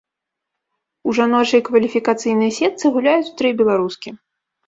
У жаночай кваліфікацыйнай сетцы гуляюць тры беларускі.